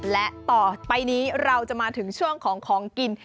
และต่อไปนี้เราจะมาถึงช่วงของของกิน